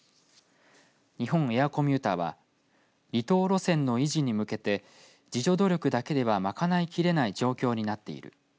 日本エアコミューターは離島路線の維持に向けて自助努力だけではまかないきれない状況になっている。